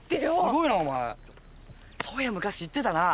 そういや昔言ってたな。